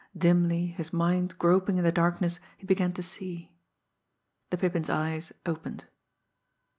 Dimly, his mind groping in the darkness, he began to see. The Pippin's eyes opened.